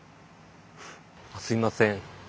すみません。